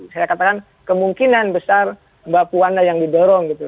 saya katakan kemungkinan besar mbak puana yang didorong gitu